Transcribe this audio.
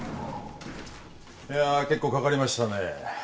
いやあ結構かかりましたね